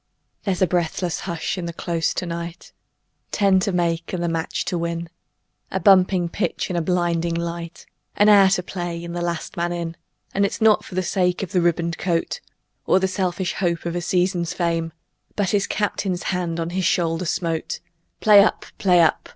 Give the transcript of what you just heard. There's a breathless hush in the Close to night Ten to make and the match to win A bumping pitch and a blinding light, An hour to play and the last man in. And it's not for the sake of a ribboned coat Or the selfish hope of a season's fame, But his Captain's hand on his shoulder smote; "Play up! Play up!